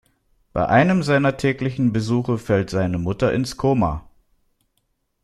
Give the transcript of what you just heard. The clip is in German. Bei einem seiner täglichen Besuche fällt seine Mutter ins Koma.